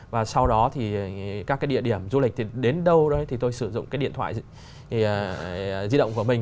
và sau đó thì các cái địa điểm du lịch thì đến đâu đó thì tôi sử dụng cái điện thoại di động của mình